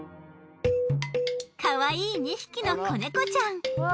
かわいい２匹の子猫ちゃん。